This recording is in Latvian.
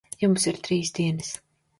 Jums ir trīs dienas.